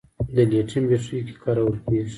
د لیتیم بیټرۍ کې کارول کېږي.